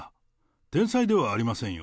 天才ではありませんよ。